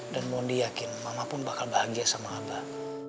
dan mondi yakin mama pun bakal bahagia sama abah